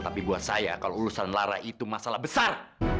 tapi buat saya kalau urusan lara itu masalah besar